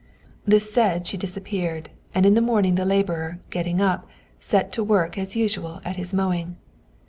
This said, she disappeared, and in the morning the laborer, getting up, set to work as usual at his mowing.